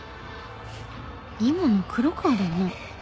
今の黒川だよな？